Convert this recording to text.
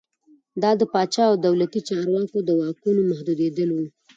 دا د پاچا او دولتي چارواکو د واکونو محدودېدل و.